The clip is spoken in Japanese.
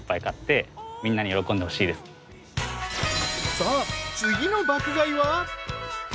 ［さあ次の爆買いは］